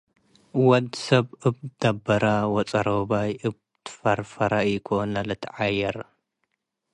ወድ-ሰብ እብ ትደበረ ወጸሮባይ እብ ትፈርፈረ ኢኮን ለልትዐየር።